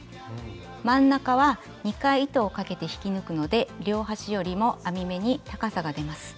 真ん中は２回糸をかけて引き抜くので両端よりも編み目に高さが出ます。